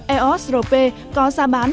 eos rp có giá bán